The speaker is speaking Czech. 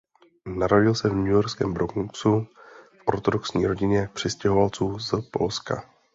Narodil se v newyorském Bronxu v ortodoxní rodině přistěhovalců z Polska.